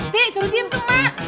ti suruh diam tuh emak